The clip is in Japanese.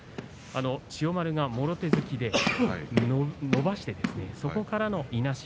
千代丸はもろ手突きで伸ばしてそこからのいなし